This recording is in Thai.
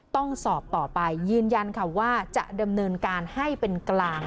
ต้องสอบต่อไปยืนยันค่ะว่าจะดำเนินการให้เป็นกลาง